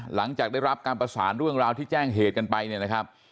หลังจากได้รับการประสานเรื่องราวที่แจ้งเหตุกันไปเนี่ยนะครับ